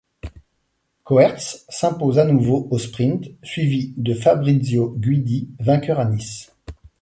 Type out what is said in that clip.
Koerts s'impose à nouveau au sprint, suivi de Fabrizio Guidi, vainqueur à Nice.